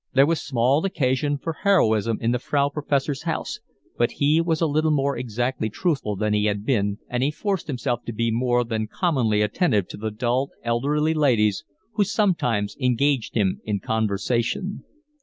There was small occasion for heroism in the Frau Professor's house, but he was a little more exactly truthful than he had been, and he forced himself to be more than commonly attentive to the dull, elderly ladies who sometimes engaged him in conversation.